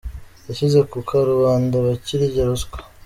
yashyize ku karubanda abakirya ruswa